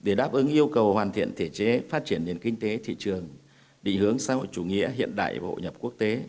để đáp ứng yêu cầu hoàn thiện thể chế phát triển nền kinh tế thị trường định hướng xã hội chủ nghĩa hiện đại và hội nhập quốc tế